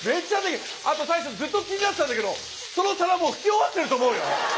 あと大将ずっと気になってたんだけどその皿もう拭き終わってると思うよ。